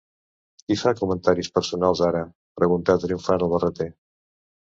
"Qui fa comentaris personals ara?", preguntà triomfant el Barreter.